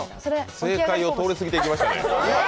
正解を通り過ぎていきましたね。